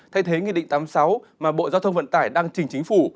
thay thế nghị định tám mươi sáu mà bộ giao thông vận tải đang trình chính phủ